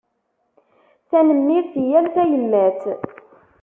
Tanemmirt i yal tayemmat.